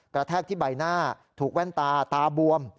แทกที่ใบหน้าถูกแว่นตาตาบวม